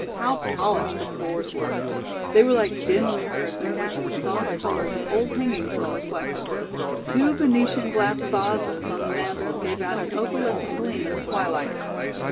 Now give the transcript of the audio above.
How polished the floors were! They were like dim mirrors in which the soft colors of old hangings were reflected. Two Venetian glass vases on the mantel gave out an opalescent gleam in the twilight.